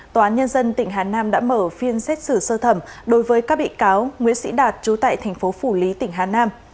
dân tỉnh hà nam đã mở phiên xét xử sơ thẩm đối với các bị cáo nguyễn sĩ đạt trú tại thành phố phủ lý tỉnh hà nam